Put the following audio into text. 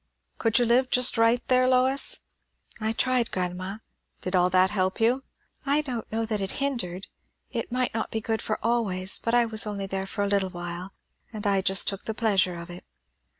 "Could you live just right there, Lois?" "I tried, grandma." "Did all that help you?" "I don't know that it hindered. It might not be good for always; but I was there only for a little while, and I just took the pleasure of it."